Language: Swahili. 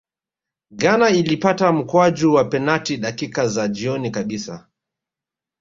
ghana ilipata mkwaju wa penati dakika za jioni kabisa